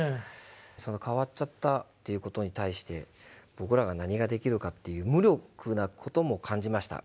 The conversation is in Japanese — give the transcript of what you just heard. その変わっちゃったということに対して僕らが何ができるかという無力なことも感じました。